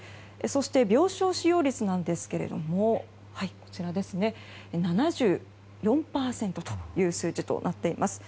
そして、病床使用率なんですが７４％という数字となっています。